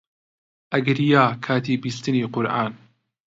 ئەگریا کاتی بیستنی قورئان